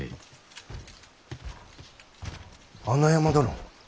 穴山殿。